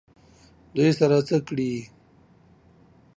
دوی سره څه کړي؟